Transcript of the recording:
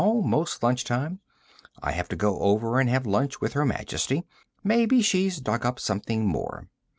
"Almost lunchtime. I have to go over and have lunch with Her Majesty. Maybe she's dug up something more."